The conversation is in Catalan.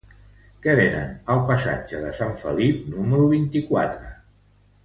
Què venen al passatge de Sant Felip número vint-i-quatre?